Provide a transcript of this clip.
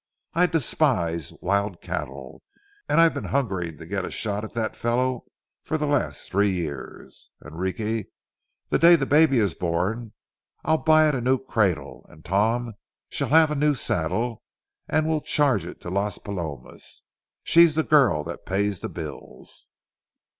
"I despise wild cattle, and I've been hungering to get a shot at that fellow for the last three years. Enrique, the day the baby is born, I'll buy it a new cradle, and Tom shall have a new saddle and we'll charge it to Las Palomas—she's the girl that pays the bills."